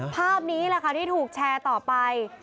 ภาพนี้แหละค่ะที่ถูกแชร์ต่อไป